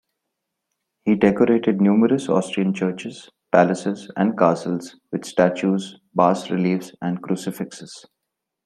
He decorated numerous Austrian churches, palaces and castles with statues, bas-reliefs and crucifixes.